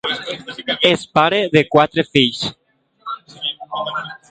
És pare de quatre fills.